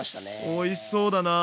おいしそうだな。